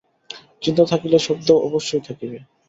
চিন্তা থাকিলে শব্দও অবশ্যই থাকিবে।